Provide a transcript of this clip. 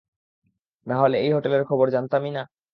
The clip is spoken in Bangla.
নাহলে এই হোটেলের খবর জানতামই না।